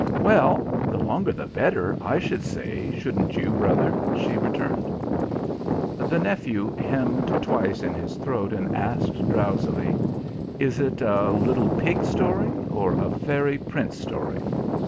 "Well, the longer the better, I should say; shouldn't you, brother?" she returned. The nephew hemmed twice in his throat, and asked, drowsily, "Is it a little pig story, or a fairy prince story?"